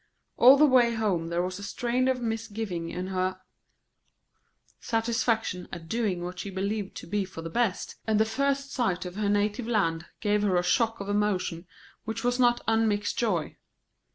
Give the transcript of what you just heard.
All the way home there was a strain of misgiving in her satisfaction at doing what she believed to be for the best, and the first sight of her native land gave her a shock of emotion which was not unmixed joy.